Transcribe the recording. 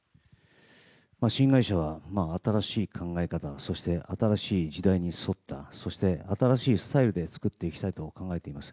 新会社は新しい考え方そして新しい時代に沿ったそして、新しいスタイルで作っていきたいと考えています。